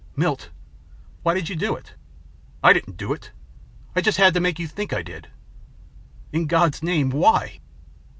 "Milt why did you do it?" "I didn't do it. I just had to make you think I did." "In God's name why?"